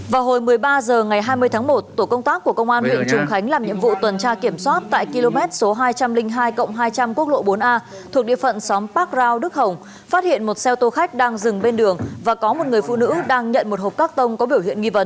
vào hồi một mươi ba h ngày hai mươi tháng một tổ công tác của công an huyện trùng khánh làm nhiệm vụ tuần tra kiểm soát tại km số hai trăm linh hai hai trăm linh quốc lộ bốn a thuộc địa phận xóm park dao đức hồng phát hiện một xe ô tô khách đang dừng bên đường và có một người phụ nữ đang nhận một hộp cắt tông có biểu hiện nghi vấn